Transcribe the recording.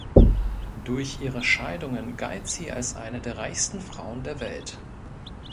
Durch ihre Scheidungen galt sie als eine der reichsten Frauen der Welt.